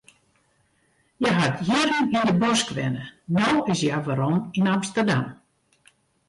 Hja hat jierren yn de bosk wenne, no is hja werom yn Amsterdam.